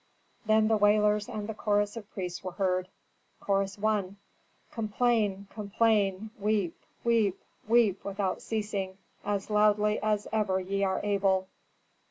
Then the wailers and the chorus of priests were heard: Chorus I. "Complain, complain, weep, weep, weep, without ceasing, as loudly as ever ye are able."